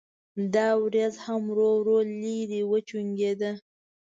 دا وریځ هم ورو ورو لرې وکوچېده.